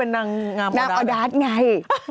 นางออดาสไง